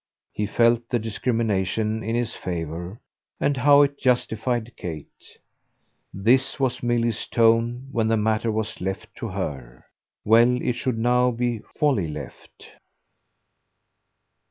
He felt the discrimination in his favour and how it justified Kate. This was Milly's tone when the matter was left to her. Well, it should now be wholly left.